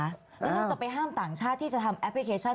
แล้วเราจะไปห้ามต่างชาติที่จะทำแอปพลิเคชัน